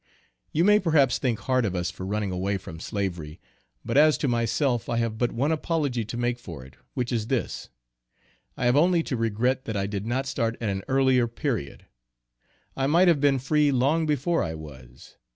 You may perhaps think hard of us for running away from slavery, but as to myself, I have but one apology to make for it, which is this: I have only to regret that I did not start at an earlier period. I might have been free long before I was.